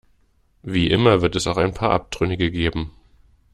Wie immer wird es auch ein paar Abtrünnige geben.